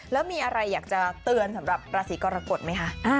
แล้วมีอะไรอยากจะเตือนสำหรับราศีกรกฎไหมคะ